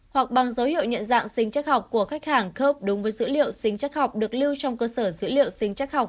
hoặc bằng dấu hiệu nhận dạng sinh chắc học của khách hàng khớp đúng với dữ liệu sinh chắc học được lưu trong cơ sở dữ liệu sinh chắc học